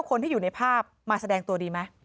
คนที่อยู่ในภาพมาแสดงตัวดีไหม